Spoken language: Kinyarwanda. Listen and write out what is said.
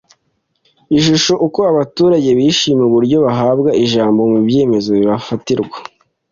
Ishusho Uko abaturage bishimiye uburyo bahabwa ijambo mu byemezo bibafatirwa